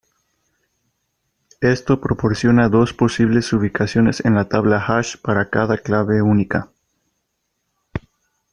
Esto proporciona dos posibles ubicaciones en la tabla hash para cada clave única.